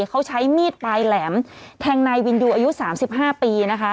เขาใช้มีดปลายแหลมแทงนายวินดูอายุสามสิบห้าปีนะคะ